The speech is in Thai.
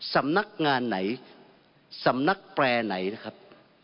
สำนักงานไหนสำนักแปรไหนนะครับ